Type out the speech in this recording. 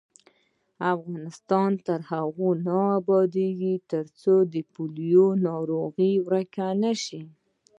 افغانستان تر هغو نه ابادیږي، ترڅو د پولیو ناروغي ورکه نشي.